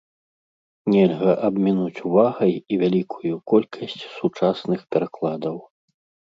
Нельга абмінуць увагай і вялікую колькасць сучасных перакладаў.